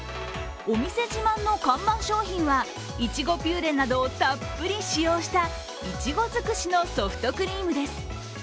お店自慢の看板商品はいちごピューレなどをたっぷり使用したいちご尽くしのソフトクリームです。